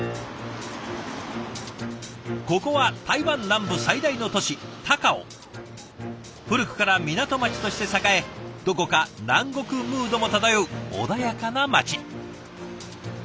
ここは台湾南部最大の都市高雄。古くから港町として栄えどこか南国ムードも漂う穏やかな街。